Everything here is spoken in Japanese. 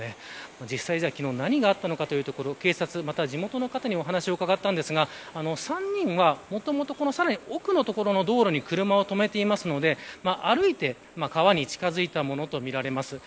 実際昨日何があったのかというところ警察、または地元の方にお話を伺いましたが３人はもともと、さらに奥の所に車を止めていたので歩いて川に近づいたものとみられます。